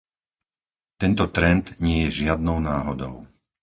Tento trend nie je žiadnou náhodou.